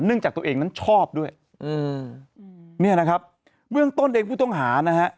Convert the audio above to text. จากตัวเองนั้นชอบด้วยอืมเนี่ยนะครับเบื้องต้นเองผู้ต้องหานะฮะ